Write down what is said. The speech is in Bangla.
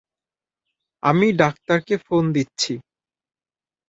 আমি ডাক্তারকে ফোন দিচ্ছি!